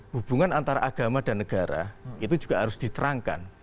hubungan antara agama dan negara itu juga harus diterangkan